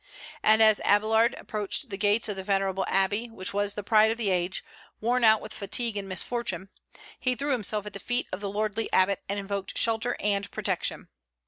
And as Abélard approached the gates of the venerable abbey, which was the pride of the age, worn out with fatigue and misfortune, he threw himself at the feet of the lordly abbot and invoked shelter and protection.